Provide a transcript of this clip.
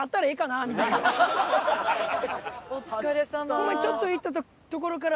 ホンマにちょっと行ったところから。